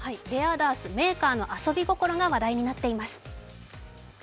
レアＤＡＲＳ、メーカーの遊び心が話題となっています。